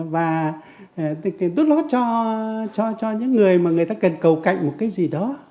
và đốt lót cho những người mà người ta cần cầu cạnh một cái gì đó